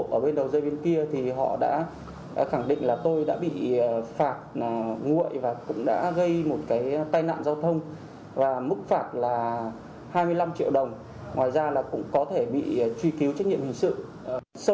thông báo anh có biên lai phạt nguội về vi phạm giao thông